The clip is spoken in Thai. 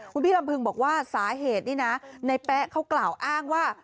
คุณพี่ลำพึงบอกว่าสาเหตุนี่นะในแป๊ะเขากล่าวอ้างว่า